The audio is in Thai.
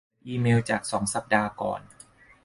เปิดอีเมลจากสองสัปดาห์ก่อน